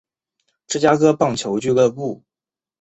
芝加哥棒球俱乐部。